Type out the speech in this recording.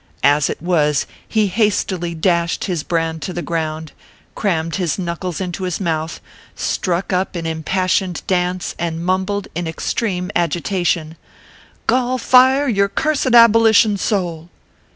As it was, he hastily dashed his brand to the ground, crammed his knuckles into his mouth, struck up an impassioned dance, and mumbled, in extreme agitation :" Golfire your cursed abolition soul